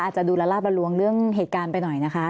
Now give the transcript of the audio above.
อาจจะดูแล้วรับบรรลวงเรื่องเหตุการณ์ไปหน่อยนะคะ